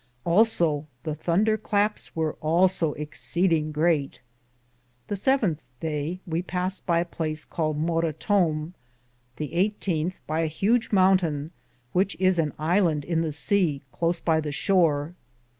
Also the Thunder clapes weare also exseding greate. The seventhe daye we passed by a place caled Morrottome. The 1 8th, by a hudge mountaine, which is an Ilande in the seae, close by the shore.